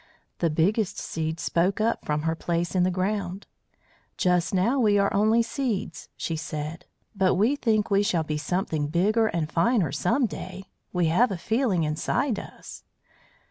The biggest seed spoke up from her place in the ground. "Just now we are only seeds," she said; "but we think we shall be something bigger and finer some day. We have a feeling inside us."